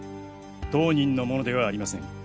当人のものではありません。